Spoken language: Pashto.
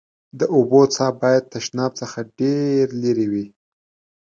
د اوبو څاه باید تشناب څخه ډېر لېري وي.